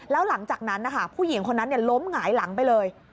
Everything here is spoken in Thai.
แล้วหลังจากนั้นนะคะผู้หญิงคนนั้นล้มหงายหลังไปเลย